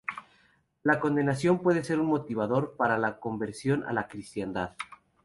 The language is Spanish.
La condenación puede ser un motivador para la conversión a la cristiandad.